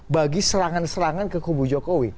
bagi serangan serangan ke kubu jokowi